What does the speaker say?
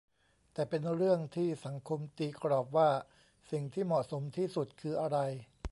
แต่เป็นเรื่องที่สังคมตีกรอบว่าสิ่งที่เหมาะสมที่สุดคืออะไร